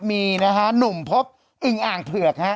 มีนะฮะหนุ่มพบอึงอ่างเผือกฮะ